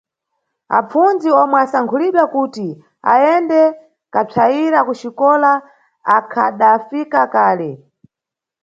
Apfundzi omwe asankhulidwa kuti ayende kapsayira kuxikola akhadafika kale.